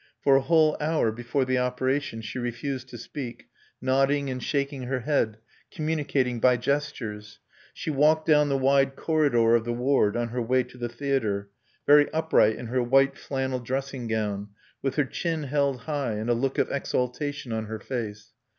For a whole hour before the operation she refused to speak, nodding and shaking her head, communicating by gestures. She walked down the wide corridor of the ward on her way to the theatre, very upright in her white flannel dressing gown, with her chin held high and a look of exaltation on her face.